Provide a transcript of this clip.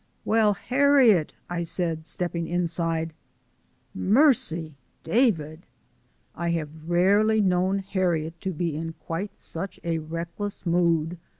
"Well, Harriet!" I said, stepping inside. "Mercy! David!" I have rarely known Harriet to be in quite such a reckless mood.